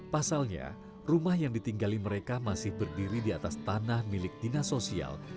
pasalnya rumah yang ditinggali mereka masih berdiri di atas tanah milik dinas sosial